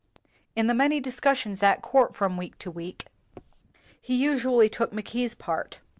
In the many discussions at court from week to week, he usually took Mackay 's part.